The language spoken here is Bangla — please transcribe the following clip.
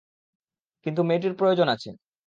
কিন্তু মেয়েটির প্রয়োজন আছে।